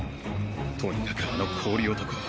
とにかくあの氷男